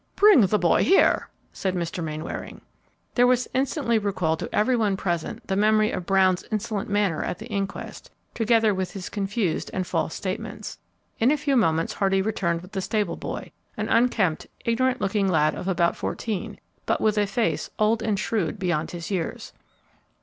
"Bring the boy here," said Mr. Mainwaring. There was instantly recalled to every one present the memory of Brown's insolent manner at the inquest, together with his confused and false statements. In a few moments Hardy returned with the stable boy, an unkempt, ignorant lad of about fourteen, but with a face old and shrewd beyond his years.